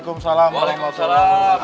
gue mau sekoteng apa saya